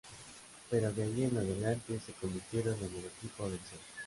Pero de ahí en adelante, se convirtieron en el equipo a vencer.